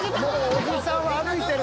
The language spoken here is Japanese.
おじさんは歩いてる。